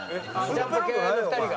ジャンポケの２人が？